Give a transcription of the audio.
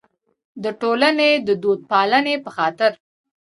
د ټولنې د دودپالنې په خاطر.